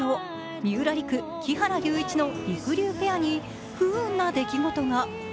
三浦璃来・木原龍一のりくりゅうペアに不運な出来事が。